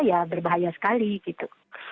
ya berbahaya sekali gitu